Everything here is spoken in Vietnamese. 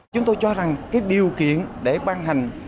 chúng tôi cho rằng cái điều kiện để ban hành